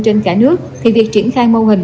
trên cả nước thì việc triển khai mô hình